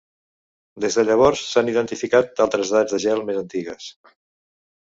Des de llavors s'han identificat altres edats de gel més antigues.